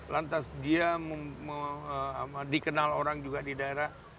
lantas dia dikenal orang juga di daerah